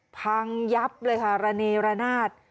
พังยับเลยค่ะระเนรนาศ